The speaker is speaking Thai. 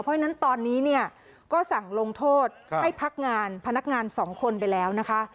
เพราะฉะนั้นตอนนี้เนี่ยก็สั่งลงโทษให้พักงานพนักงานสองคนไปแล้วนะคะ